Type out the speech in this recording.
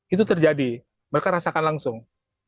itu terjadi mereka rasakan langsung